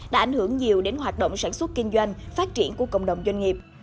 đã ảnh hưởng nhiều đến hoạt động sản xuất kinh doanh phát triển của cộng đồng doanh nghiệp